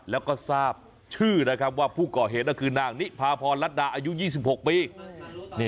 แล้วก็ทราบชื่อนะครับว่าผู้ก่อเหตุก็คือนางนิพาพรรัฐดาอายุ๒๖ปี